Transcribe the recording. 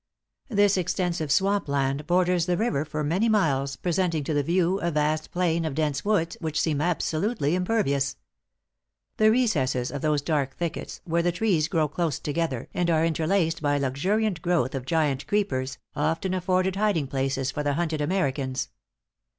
This extensive swampland borders the river for many miles, presenting to the view a vast plain of dense woods which seem absolutely impervious. The recesses of those dark thickets, where the trees grow close together, and are interlaced by a luxuriant growth of giant creepers, often afforded hiding places for the hunted Americans.